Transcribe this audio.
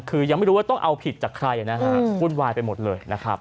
คือยังไม่รู้ว่าต้องเอาผิดจากใครนะฮะวุ่นวายไปหมดเลยนะครับ